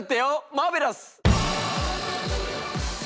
マーベラス！